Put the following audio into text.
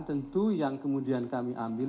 tentu yang kemudian kami ambil